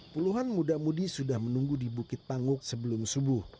puluhan muda mudi sudah menunggu di bukit panguk sebelum subuh